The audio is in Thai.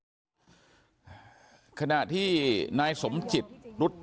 เพราะไม่เคยถามลูกสาวนะว่าไปทำธุรกิจแบบไหนอะไรยังไง